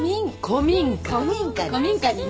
古民家に。